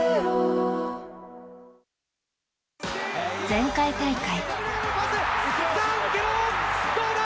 前回大会。